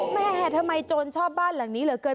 แม่ทำไมโจรชอบบ้านหลังนี้เหลือเกิน